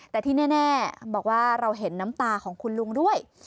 แต่ที่แน่บอกว่าเราเห็นน้ำตาของคุณลุงด้วย